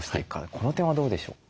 この点はどうでしょう？